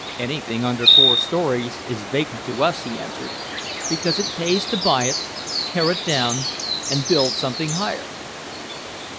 "Anything under four stories is vacant to us," he answered, "because it pays to buy it, tear it down and build something higher."